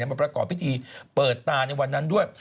มาประกอบพิธีเปิดตาในวันนั้นด้วย